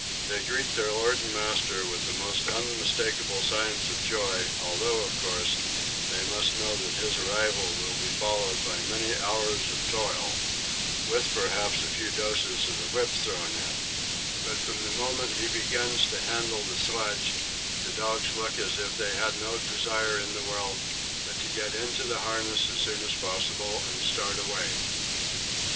They greet their lord and master with the most unmistakable signs of joy, although, of course, they must know that his arrival will be followed by many hours of toil, with, perhaps, a few doses of the whip thrown in; but from the moment he begins to handle the sledge, the dogs look as if they had no desire in the world but to get into the harness as soon as possible and start away.